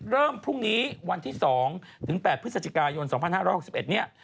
เริ่มพรุ่งนี้วันที่๒ถึง๘พฤศจิกายน๒๕๖๑เนี่ย